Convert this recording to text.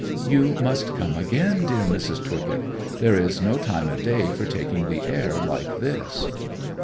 'You must come again, dear Mrs. Twycott. There is no time o' day for taking the air like this.